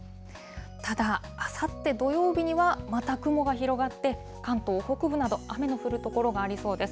ただ、あさって土曜日には、また雲が広がって、関東北部など、雨の降る所がありそうです。